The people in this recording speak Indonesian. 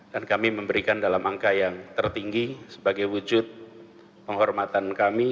dan kami memberikan dalam angka yang tertinggi sebagai wujud penghormatan kami